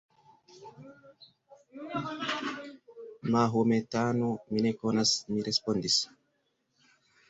Mahometano, mi ne konas, mi respondis.